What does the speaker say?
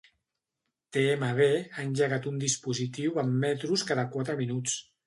TMB ha engegat un dispositiu amb metros cada quatre minuts.